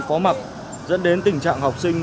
phó mập dẫn đến tình trạng học sinh